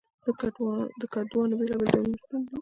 د کدوانو بیلابیل ډولونه شتون لري.